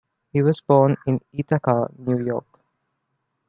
He was born in Ithaca, New York.